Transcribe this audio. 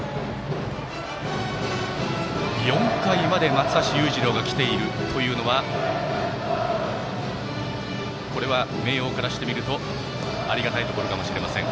４回まで、松橋裕次郎が来ているのは明桜からしてみるとありがたいところかもしれません。